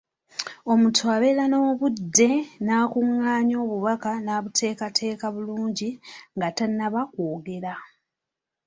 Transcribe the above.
Omuntu abeera n’obudde n’akungaanya obubaka n’abuteekateeka bulungi nga tannaba kwogera.